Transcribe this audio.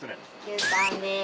牛タンです。